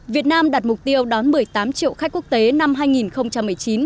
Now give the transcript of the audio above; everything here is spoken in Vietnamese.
việt nam đặt mục tiêu đón một mươi tám triệu khách quốc tế năm hai nghìn một mươi chín